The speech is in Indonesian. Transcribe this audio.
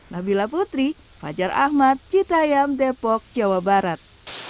nabila putri fajar ahmad cita yam depok jawa barat